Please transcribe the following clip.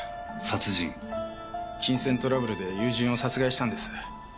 金銭トラブルで友人を殺害したんです。